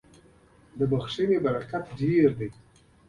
• د بښنې برکت ډېر دی.